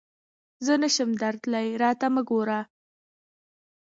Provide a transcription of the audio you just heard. نه شم درتلای ، راته مه ګوره !